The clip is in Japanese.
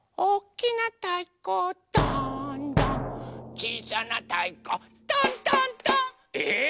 「ちいさなたいこ」「トントントン」えっ⁉